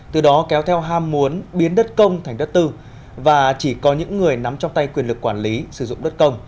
từ đó kéo theo ham muốn biến đất công thành đất tư và chỉ có những người nắm trong tay quyền lực quản lý sử dụng đất công